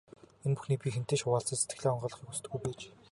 Энэ бүхнийг би хэнтэй ч хуваалцаж, сэтгэлээ онгойлгохыг хүсдэггүй байж.